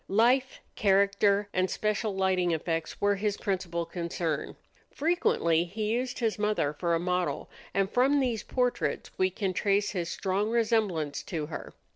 Life, character, and special lighting effects were his principal concern. Frequently he used his mother for a model, and from these portraits we can trace his strong resemblance to her.